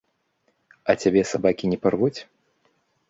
А цябе сабакі не парвуць?